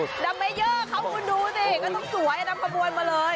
ดำไม่เยอะข้าวคุณดูสิก็ต้องสวยอันดำกระบวนมาเลย